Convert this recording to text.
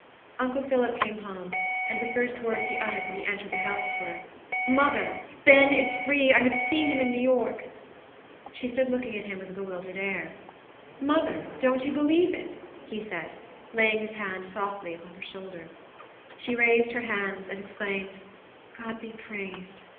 Uncle Phillip came home; and the first words he uttered when he entered the house were, "Mother, Ben is free! I have seen him in New York." She stood looking at him with a bewildered air. "Mother, don't you believe it?" he said, laying his hand softly upon her shoulder. She raised her hands, and exclaimed, "God be praised!